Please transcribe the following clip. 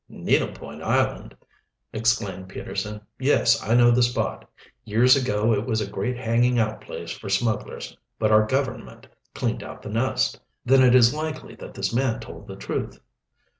"Needle Point Island!" exclaimed Peterson. "Yes, I know the spot Years ago it was a great hanging out place for smugglers. But our government cleaned out the nest." "Then it is likely that this man told the truth?"